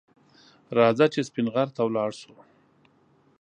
رځه چې سپین غر ته لاړ شو